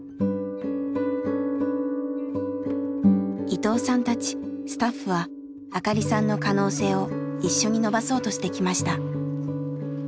伊藤さんたちスタッフは明香里さんの可能性を一緒に伸ばそうとしてきました。